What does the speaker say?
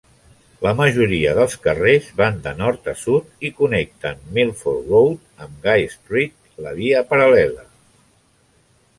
La majoria dels carrers van de nord a sud i connecten Milford Road amb Guy Street, la via paral·lela.